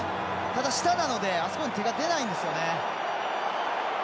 ただ、下なのであそこに手が出ないんですよね。